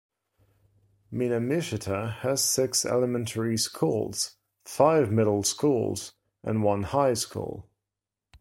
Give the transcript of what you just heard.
Minamichita has six elementary schools, five middle schools and one high school.